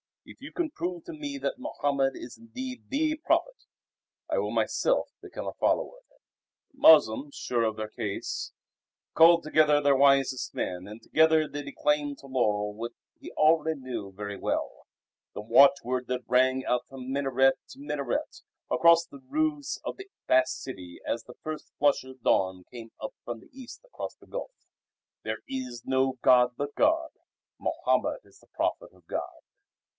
If you can prove to me that Mohammed is indeed the Prophet, I will myself become a follower of him." The Moslems, sure of their case, called together their wisest men and together they declaimed to Lull what he already knew very well the watchword that rang out from minaret to minaret across the roofs of the vast city as the first flush of dawn came up from the East across the Gulf. "There is no God but God; Mohammed is the Prophet of God."